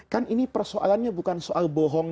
kan ini persoalannya bukan soal bohong